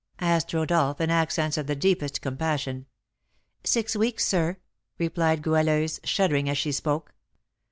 asked Rodolph, in accents of the deepest compassion. "Six weeks, sir," replied Goualeuse, shuddering as she spoke.